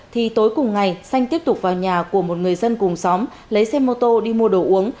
thì tối cùng ngày xanh tiếp tục vào nhà của một người dân cùng xóm lấy xe mô tô đi mua đồ uống